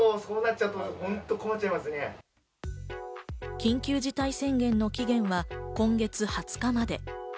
緊急事態宣言の期限は今月２０日まで。